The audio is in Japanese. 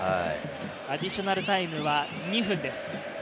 アディショナルタイムは２分です。